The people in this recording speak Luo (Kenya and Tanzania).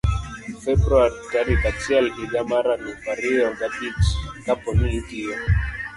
februar tarik achiel higa mar aluf ariyo ga bich. kapo ni itiyo